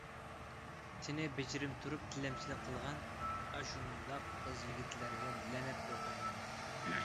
تېنى بېجىرىم تۇرۇپ تىلەمچىلىك قىلغان ئاشۇنداق قىز-يىگىتلەرگە لەنەت ئوقۇيمەن!